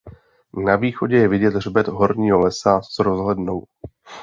Na východě je vidět hřbet Horního lesa s rozhlednou.